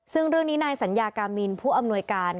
ซึ่งเรื่องนี้นายสัญญากามินผู้อำนวยการ